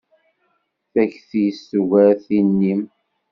Takti-s tugar tin-im.